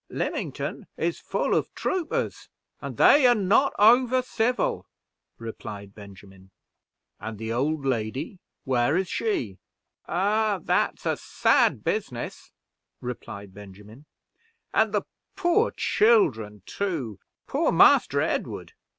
"Lymington is full of troopers, and they are not over civil," replied Benjamin. "And the old lady where is she?" "Ah, that's a sad business," replied Benjamin, "and the poor children, too. Poor Master Edward!